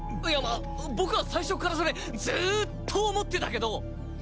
いやまあ僕は最初からそれずーっと思ってたけど。